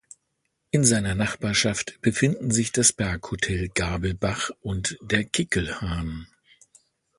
In seiner Nachbarschaft befinden sich das Berghotel Gabelbach und der Kickelhahn.